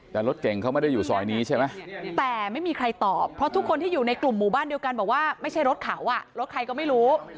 แต่รถเก่งเขาไม่ได้อยู่ซอยนี้ใช่ไหมแต่ไม่มีใครตอบเพราะทุกคนที่อยู่ในกลุ่มหมู่บ้านเดียวกันบอกว่าไม่ใช่รถเขาอ่ะรถใครก็ไม่รู้